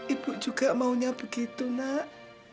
ibu juga maunya begitu nak